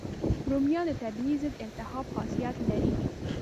رومیان طبیعي ضد التهاب خاصیت لري.